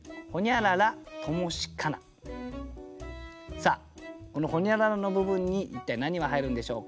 さあこのほにゃららの部分に一体何が入るんでしょうか？